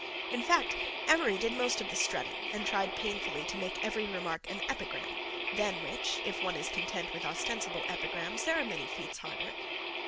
In fact, Amory did most of the strutting and tried painfully to make every remark an epigram, than which, if one is content with ostensible epigrams, there are many feats harder.